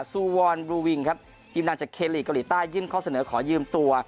ซูวอนบลูวิงครับทีมงานจากเคลีกเกาหลีใต้ยื่นข้อเสนอขอยืมตัว